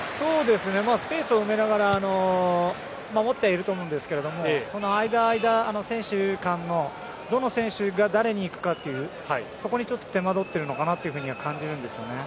スペースを埋めながら守ってはいると思うんですがその間、間選手間のどの選手が誰にいくかというそこに手間取っているのかなと感じるんですよね。